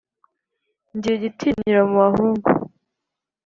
ngira igitinyiro mu bahungu